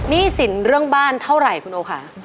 หนี้สินเรื่องบ้านเท่าไหร่คุณโอค่ะ